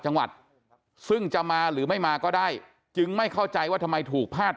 จังหวัดซึ่งจะมาหรือไม่มาก็ได้จึงไม่เข้าใจว่าทำไมถูกพาด